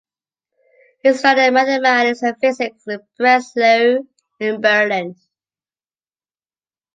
He studied mathematics and physics in Breslau and Berlin.